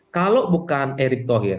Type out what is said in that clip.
kalau bukan erick thohir